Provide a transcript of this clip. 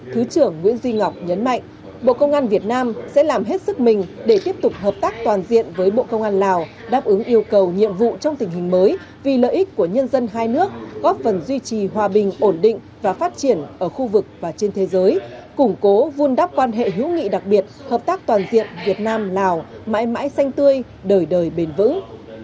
thứ trưởng nguyễn duy ngọc nhấn mạnh bộ công an việt nam sẽ làm hết sức mình để tiếp tục hợp tác toàn diện với bộ công an lào đáp ứng yêu cầu nhiệm vụ trong tình hình mới vì lợi ích của nhân dân hai nước góp phần duy trì hòa bình ổn định và phát triển ở khu vực và trên thế giới củng cố vun đắp quan hệ hữu nghị đặc biệt hợp tác toàn diện việt nam lào mãi mãi xanh tươi đời đời bền vững